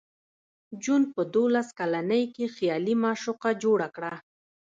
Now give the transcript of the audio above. جون په دولس کلنۍ کې خیالي معشوقه جوړه کړه